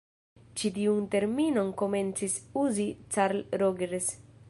Ĉi tiun terminon komencis uzi Carl Rogers.